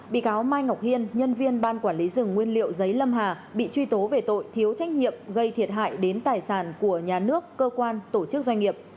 bị cáo mai ngọc hiên nhân viên ban quản lý rừng nguyên liệu giấy lâm hà bị truy tố về tội thiếu trách nhiệm gây thiệt hại đến tài sản của nhà nước cơ quan tổ chức doanh nghiệp